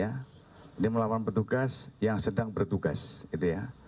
jadi melawan petugas yang sedang bertugas gitu ya